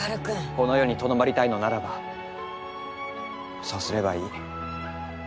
この世にとどまりたいのならばそうすればいい。